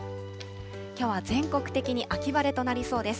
きょうは全国的に秋晴れとなりそうです。